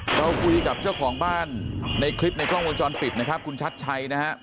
เราคุยกับเจ้าของบ้านในคลิปในกล้องวงจรปิดนะครับคุณชัดชัยนะฮะ